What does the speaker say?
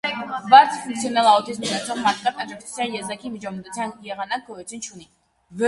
Բարձր ֆունկցիոնալ աուտիզմ ունեցող մարդկանց աջակցության եզակի միջամտության եղանակ գոյություն չունի։